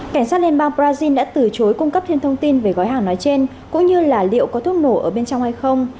cảnh sát liên bang brazil đã từ chối cung cấp thêm thông tin về gói hàng nói trên cũng như là liệu có thuốc nổ ở bên trong hay không